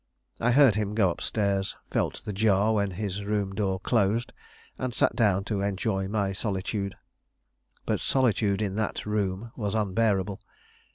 I heard him go up stairs, felt the jar when his room door closed, and sat down to enjoy my solitude. But solitude in that room was unbearable.